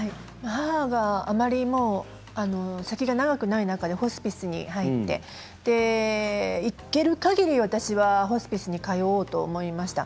母が先が長くない中でホスピスに入って行けるかぎり私はホスピスに通おうと思いました。